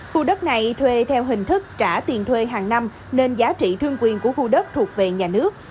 khu đất này thuê theo hình thức trả tiền thuê hàng năm nên giá trị thương quyền của khu đất thuộc về nhà nước